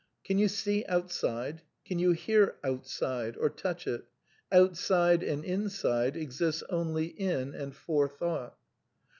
Can you see "outside"? Can you hear " outside " or touch it ? Outside (and inside) ex ists only in and for thought.